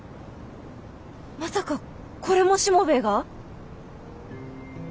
まさかこれもしもべえが？